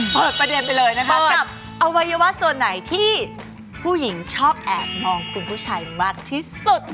เปิดประเด็นไปเลยนะคะกับอวัยวะส่วนไหนที่ผู้หญิงชอบแอบมองคุณผู้ชายมากที่สุด